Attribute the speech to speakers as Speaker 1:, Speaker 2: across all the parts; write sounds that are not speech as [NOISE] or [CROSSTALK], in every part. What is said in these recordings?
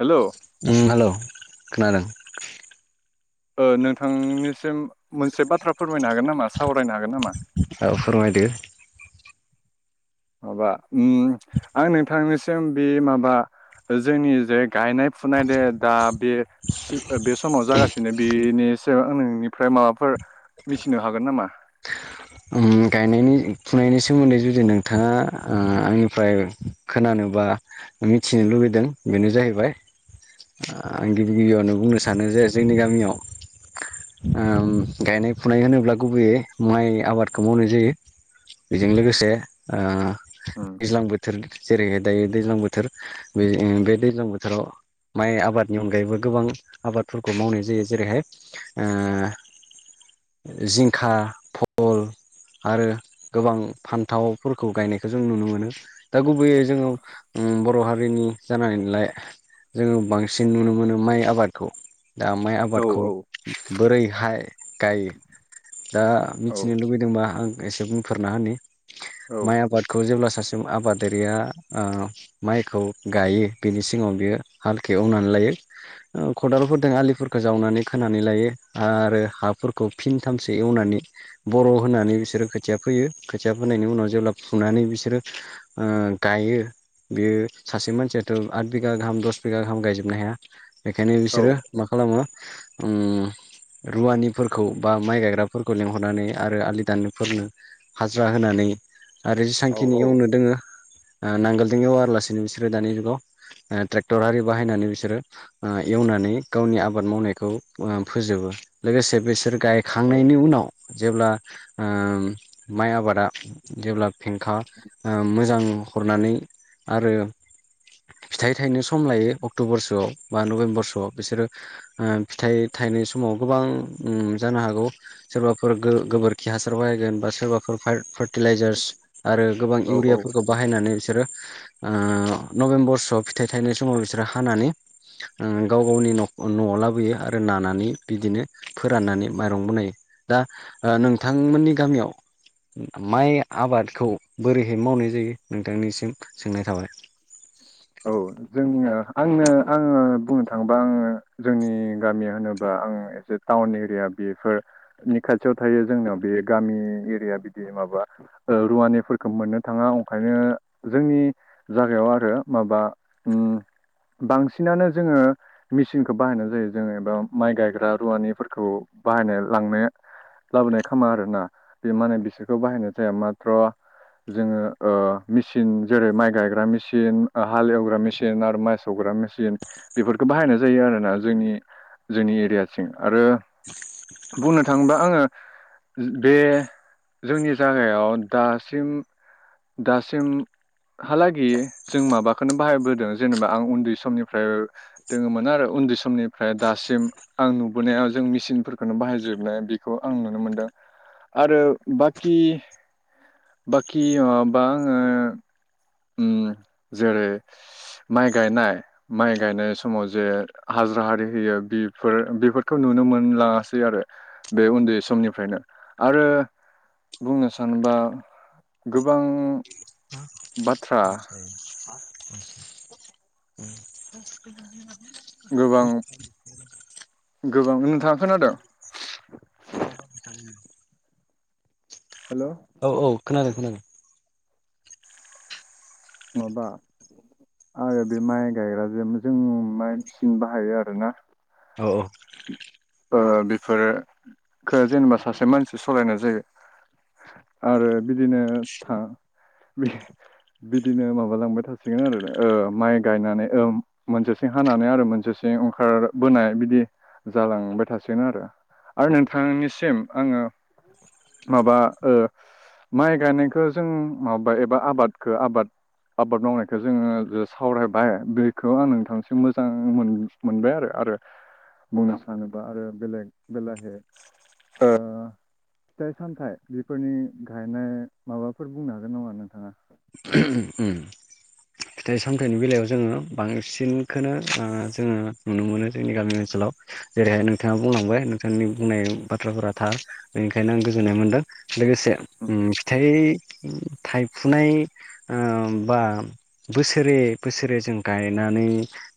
Speaker 1: हेल'
Speaker 2: ओम हेल' खोनादों
Speaker 1: ओ नोंथांनिसिम मोनसे बाथ्रा फोरमायनो हागोन नामा सावरायनो हागोन नामा
Speaker 2: औ फोरमायदो
Speaker 1: माबा ओम आं नोंथांनिसिम बे माबा जोंनि जे गायनाय फुनाय दे दा बे बे समाव जागासिनो बेनि सायाव आं नोंनिफ्राय माबाफोर मिथिनो हागोन नामा
Speaker 2: ओम गायनायनि फुनायनि सोमोन्दै जुदि नोंथाङा ओ आंनिफ्राय खोनानोबा मिथिनो लुुबैदों बेनो जाहैबाय आं गिबि गिबियावनो बुंनो सानो जे जोंनि गामियाव ओम गायनाय फुनाय होनोब्ला गुबैयै माइ आबादखौ मावनाय जायो बेजों लोगोसे ओ
Speaker 1: उम
Speaker 2: दैज्लां बोथोर जेरैहाय दायो दैज्लां बोथोर बे बे दैज्लां बोथोराव माइ आबादनि अनगायैबो गोबां आबादफोरखौ मावनाय जायो जेरैहाय ओ जिंखा फल आरो गोबां फान्थावफोरखौ गायनायखौ जों नुनो मोनो दा गुबैयै जोङो ओम बर' हारि रिनि जानानैलाय जोङो बांसिन नुनो मोनो माइ आबादखौ दा माइ
Speaker 1: औ
Speaker 2: आबादखौ
Speaker 1: औ
Speaker 2: बोरैहाय गायो दा
Speaker 1: औ
Speaker 2: मिथिनो लुबै दोंबा आं एसे बुंफोरना होननि
Speaker 1: औ
Speaker 2: माइ आबाद खौ जेब्ला सासे आबादारिया ओ माइखौ गायो बिनि सिगाङाव बियो हालखो एवनानै लायो खदालफोरजों आलिफोरखौ जावनानै खोनानानै लायो आरो हाफोरखौ फिनथामसो एवनानै बर' होननानै बिसोर खोथिया फोयो खोथिया फोनायनि उनाव जेब्ला फुनानै बिसोरो ओ गायो बियो सासे मानसियाथ' आत बिगा गाहाम दष बिगा गाहाम गायजोबनो हाया बेखायनो
Speaker 1: औ
Speaker 2: बिसोरो मा खालामो ओम रुवानिफोरखौ बा माइ गायग्राफोरखौ लेंहरनानै आरो आलि दाननो फोरनो हाजिरा होनानै आरो जेसां खिनि
Speaker 1: औ
Speaker 2: एवनो दोङो ओ नांगोलदों एवा लासिनो बिसोरो दानि जुगाव ट्रेक्टर आरि बाहायनानै बिसोरो ओ एवनानै गावनि आबाद मावनायखौ ओ फोजोबो लोगोसे बिसोर गाय
Speaker 1: औ
Speaker 2: खांनायनि उनाव जेब्ला ओ माइ आबादा जेब्ला फेंखा ओ मोजां हरनानै आरो फिथाइ थायनो सम लायो अक्ट'बर सोआव बा नभेम्बर सोआव बिसोरो ओ फिथाइ थायनाय समाव गोबां उम जानो हागौ सोरबाफोर गो गोबोर खि हासार बायगोन बा सोरबाफोर फाय फोर फार्टिलाइजार्स आरो गोबां
Speaker 1: औ औ
Speaker 2: इउरियाफोरखौ बाहायनानै बिसोरो ओ नभेम्बरसोआव फिथाइ थायनाय समाव बिसोरो हानानै ओ गाव गावनि न'आव लाबोयो आरो नानानै बिदिनो फोराननानै माइरं बनायो दा ओ नोंथांमोननि गामियाव माइ आबादखौ बोरैहाय मावनाय जायो नोंथांनिसिम सोंनाय थाबाय
Speaker 1: औ
Speaker 2: [INAUDIBLE]
Speaker 1: जोंनिया आंनो आङो बुंनो थाङोबा आङो जोंनि गामिया होनोब्ला आं एसे टाउन एरिया बेफोरनि खाथियाव थायो जोंनाव बे गामि एरिया बिदि माबा ओ रुवानिफोरखौ मोननो थाङा ओंखायनो जोंनि जागायाव आरो माबा उम बांसिनानो जोङो मेसिनखौ बाहायनाय जायो जोङो एबा माइ गायग्रा रुवानिफोरखौ बाहायनाय लांनाया लाबोनाय खोमा आरोना बे माने बिसोरखौ बाहायनाय जाया माथ्र' जोङो ओ मेचिन जेरै माइ गायग्रा मेचिन हाल एवग्रा मेचिन आरो माइ सौवग्रा मेसिन बेफोरखौ बाहायनाय जायो आरोना जोंनि जोंनि एरियासिम आरो बुंनो थाङोबा आंङो बे जोंनि जागायाव दासिम दासिम हालागि जों माबाखौनो बाहायबोदों जेनेबा आं उन्दै समनिफ्राय दोङोमोन आरो उन्दै समनिफ्राय दासिम आं नुबोनायाव जों मेसिनफोरखौनो बाहायजोबनाय बेखौ आं नुनो मोनदों आरो बाखि बाखि माबा आङो उम जेरै माइ गायनाय माइ गायनाय समाव जे हाजिरा हारि होयो बेफोर बेफोरखौ नुनो मोनलाङासै आरो बे उन्दै समनिफ्रायनो आरो बुंनो सानोबा गोबां बाथ्रा गोबां गोबां नोंथाङा खोनादों
Speaker 2: [UNINTELLIGIBLE]
Speaker 1: हेलौ।
Speaker 2: औ औ खोनादों खोनादों।
Speaker 1: माबा आरो बे माइ गायग्राजों जों मानसिन बाहायो आरोना।
Speaker 2: औ औ।
Speaker 1: ओ बेफोरो खो जेनोबा सासे मानसि सलायनाय जायो आरो बिदिनो [UNINTELLIGIBLE] बिदिनो माबालांबाय थासिगोन आरो ओ माइ गायनानै ओम मोनसेथिं हानानै आरो मोनसेथिं ओंखारबोनाय बिदि जालांबाय थासिगोन आरो आरो नोंथांनिसिम आङो माबा ओ माइ गायनायखौ जों माबायबा एबा आबादखौ आबाद आबाद मावनायखौ जोङो गो सावरायबाय बेखौ आं नोंथांसिम मोजां मोन मोनबाय आरो आरो बुंनो सानोबा आरो बेलेग बेलाहे ओ फिथाइ सामथाइ बेफोरनि गायनाय माबाफोर बुंनो हागोन नामा नोंथाङा?
Speaker 2: [UNINTELLIGIBLE] उम फिथाइ सामथाइनि बेलायाव जोङो बांसिनखोनो ओ जोङो नुनो मोनो जोंनि गामि ओनसोलाव। जेरैहाय नोंथाङा बुंलांबाय नोंथांनि बुंनाय बाथ्राफोरा थार बेनिखायनो आं गोजोननाय मोनदों। लोगोसे उम फिथाइ थाइफुनाय ओ बा बोसोरे बोसोरे जों गायनानै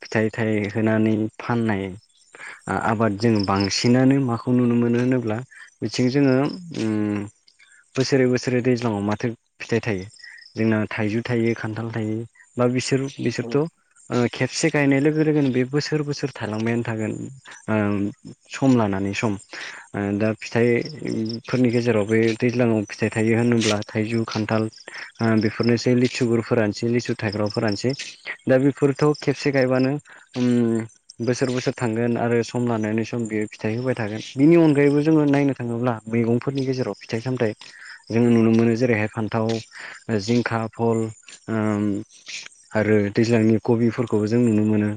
Speaker 2: फिथाइ थाइ होनानै फाननाय ओ आबादजों बांसिनानो माखौ नुनो मोनो होनोब्ला? बिथिं जोङो उम बोसोरै बोसोरै दैज्लाङाव माथो फिथाइ थायो? जोंना थाइजौ थायो खान्थाल थायो बा बिसोर बिसोरथ' ओ खेबसे गायनाय लोगो लोगोनो बे बोसोर बोसोर थायलांबायानो थागोन ओम सम लानानै सम। ओ दा फिथाइफोरनि गेजेराव बे दैज्लाङाव फिथाइ थायो होनोब्ला थाइजौ खान्थाल ओ बेफोरनोसै लिसुगुरफोरानोसै लिसु थाइग्राफोरानोसै दा बेफोरथ' खेबसे गायबानो उम बोसोर बोसोर थांगोन आरो सम लानायनि सम बियो फिथाइ होबाय थागोन। बिनि अनगायैबो जोङो नायनो थाङोब्ला मैगंफोरनि गेजेराव फिथाइ सामथायाइ जोङो नुनो मोनो जेरैहाय फान्थाव जिंखा फल ओम आरो दैज्लांनि कबिफोरखौबो जों नुनो मोनो।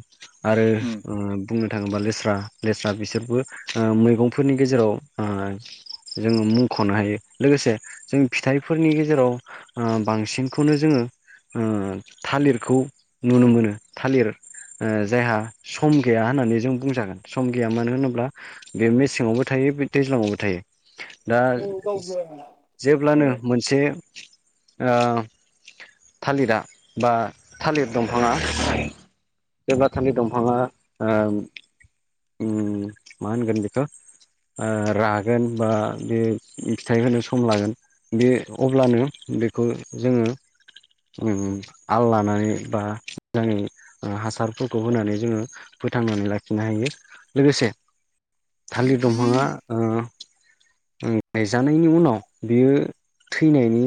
Speaker 2: आरो
Speaker 1: औ
Speaker 2: ओ बुंनो थाङोब्ला लेस्रा लेस्रा बिसोरबो ओ मैगंफोरनि गेजेराव ओ जोङो मुंख'नो हायो। लोगोसे जों फिथाइफोरनि गेजेराव ओ बांसिनखौनो जोङो ओ थालिरखौ नुनो मोनो थालिर ओ जायहा सम गैया होननानै जों बुंजागोन सम गैया मानो होनोब्ला बे मेसेङावबो थाइयो बे दैज्लाङावबो थाइयो। दा
Speaker 1: औ गावबो औ
Speaker 2: जेब्लानो मोनसे ओ थालिरा बा थालिर दंफाङा जेब्ला थालिर दंफाङा ओम उम मा होनगोन बेखौ ओ रागोन बा बे फिथाइ होनो सम लागोन। बे अब्लानो बेखौ जोङो उम आल लानानै बा मोजाङै ओ हासारफोरखौ होनानै जोङो फोथांनानै लाखिनो हायो। लोगोसे थालिर दंफाङा ओ ओ गायजानायनि उनाव बियो थैनायनि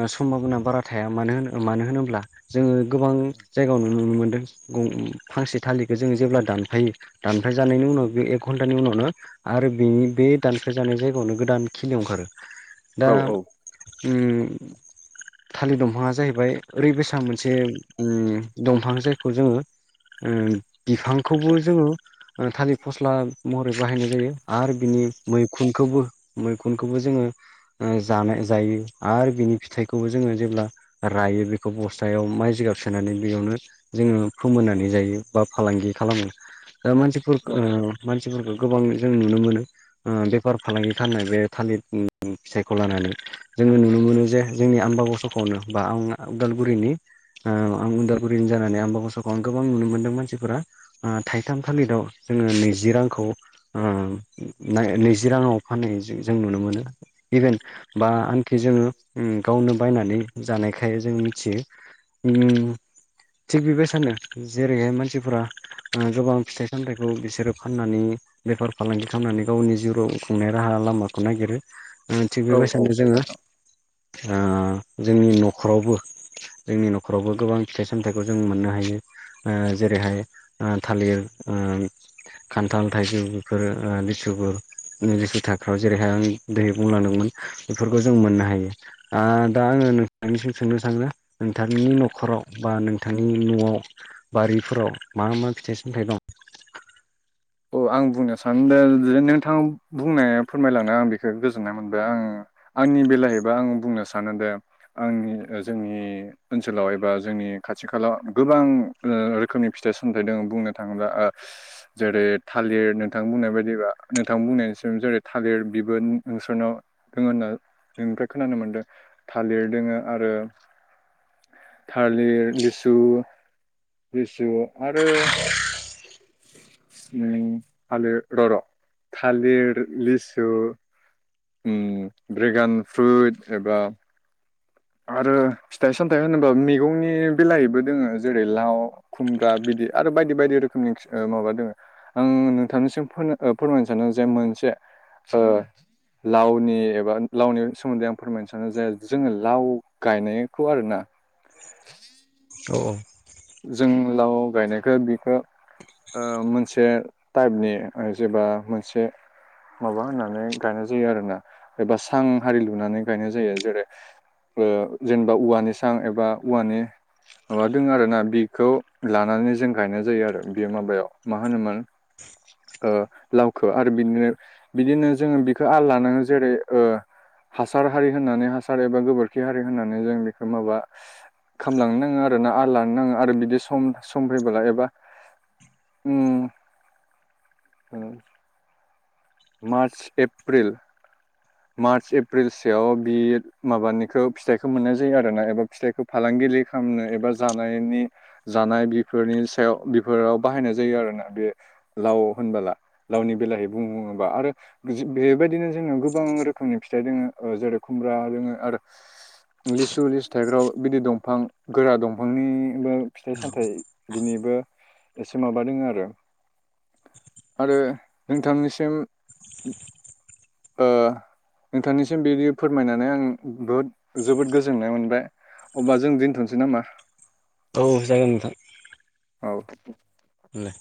Speaker 2: ओ समभाबना बारा थाया मानो होन मानो होनोब्ला जोङो गोबां जायगायाव नु नुनो मोनदों गं फांसे थालिरखौ जोंङो जेब्ला दानफायो दानफाय जानायनि उनाव बे एक घन्टानि उनावनो आरो बेनि बे दानफाय जानाय जायगायावनो गोदान खिलि ओंखारो दा
Speaker 1: औ
Speaker 2: उम। थालिर दंफाङा जाहैबाय ओरै बेसाद मोनसे दंफां जायखौ जोंङो अम बिफांखौबो जोंङो थालिर फस्ला महरै बाहायनाय जायो आरो बिनि मैखुनखौबो मैखुनखौबो जोंङो जानाय जायो आरो बिनि फिथाइखौबो जोंङो जेब्ला रायो बेखौ बस्थायाव माइ जिगाब सोनानै बेयावनो जोंङो फोमोननानै जायो बा फालांगि खालामो दा मानसि
Speaker 1: औ
Speaker 2: मानसिफोरखौ गोबां जों नुनो मोनो बेफार फालांगि खालामनाय बे थालिर फिथाइखौ लानानै जोंङो नुनो मोनो जे जोंनि आमबाबग सखावनो बा आं उदालगुरिनि आं उदालगुरिनि जानानै आंबो मसखौ आं गोबां नुनो मोन्दों मानसिफोरा थाइथाम थालिराव जोंङो नैजि रांखौै ओ नै जि राङाव फाननाय जों नुनो मोनो इभेन बा ओनखि जोंङो अम गावनो बायनानै जानायखाय जों मिथियो थिग बेबायसानो जेरैहाय मानसिफोरा गोबां फि सामथाइखौ बिसोरो फाननानै बेफार फालांगि खामनानै गावनि जिउ राव खुंनाय राहा लामाखौ नागिरो थिग
Speaker 1: औ औ
Speaker 2: बेबायसानो जोंङो
Speaker 1: नोंथां
Speaker 2: जोंनि न'खरावबो जोंनि न'खरावबो गोबां फिथाइ सामथाइखौ जों मोननो हायो। ओ जेरैहाय ओ थालिर ओम खान्थाल थाइजौ बेफोरो लिसुफोर नैजिसे थाखो आव जेरैहाय आं दै बुंलांदोंमोन बेफोरखौ जों मोननो हायो। दा आंङो नोंथांनिसिम सोंनो सानो नोंथांनि न'खराव बा नोंथांनि न'आव बारिफोराव मा मा फिथाइ सामथाइ दं।
Speaker 1: औ आं बुंनो सानो दे नोंथांङा बुंनाया फोरमायलांनो आं बेखौ गोजोननाय मोनबाय आं आंनि बेलाया एबा आं बुंनो सानो दे आंनि जोंनि ओनसोलाव एबा जोंनि खाथि खालाव गोबां रोखोमनि फिथाइ सामथाइ दंङ बुंनो थांङोब्ला ओ जेरै थालिर नोंथां बुंनाय बायदिबा नोंथां बुंनायनिसिम जेरै थालिर बिबो नोंसोरनाव दंङ होनना नोंनिफ्राय खोनानो मोनदों थालिर दोंङो आरो थालिर लिसु लिसु आरो अम थालिर र र' थालिर लिसु अम ड्रेगान फ्रुइट एबा आरो फिथाइ सामथायाइ होनोबा मैगंनि बेलइबो दो़ङो जेरै लाव खुमब्रा बिदि आरो बायदि बायदि रोखोमनि खि माबा दोंङो आं नोंथांनिसिम फो-फोरमायनो सानो जे मोनसे ओ लावनि एबा लावनि सोमोन्दै आं फोरमायनो सानो जाया जोंङो लाव गायनायखौ आरोना [INAUDIBLE]
Speaker 2: औ
Speaker 1: जों लाव गायनायखो बिखौ ओ मोनसे टाइपनि जेबा मोनसे माबा होननानै गायनाय जायो आरो ना एबा सां हारि लुनानै गायनाय जायो जेरै ओ जेनेबा औवानि सां एबा औवानि माबादों आरोना। बिखौ लानानै जों गायनाय जायो आरो बे माबायाव मा होनोमोन ओ लावखो आरो बिदिनो बिदिनो जोंङो बिखौ आल लानानै जेरै ओ हासार हारि होननानै हासार एबा गोबोरखि हारि होननानै जों बेखौ माबा खामलांनो नांङा आरो ना आरो लानो नांङा आरो बिदि सम सम फैबोला एबा अम औ मार्च एप्रिल
Speaker 2: [INAUDIBLE]
Speaker 1: मार्च एप्रिल सयाव बि माबानिखौ फिथाइखौ मोननाय जायो आरो ना एबा फिथाइखौ फालांगिरि खालामनो एबा जानायनि जानाय बेफोरनि सायाव बेफोराव बाहायनाय जायो आरोना बे लाव होनबोला लावनि बेलाहै बुं बुंङोबा आरो बेबायदिनो जोंङो गोबां रोखोमनि फिथाइ दोंङो जेरै खुमब्रा दोंङो आरो। लिसु लिसु थाइग्राव बिदि दंफां गोरा दंफांनिबो फिथाइ सामथायाइ बिनिबो एसे माबादों आरो आरो नोंथांनिसिम ओ नोंथांनिसिम बिदि फोरमायनानै आं बुहुद जोबोद गोजोननाय मोनबाय अब्ला जों दोनथ'नोसै नामा?
Speaker 2: औ जागोन नोंथां।
Speaker 1: औ।
Speaker 2: दे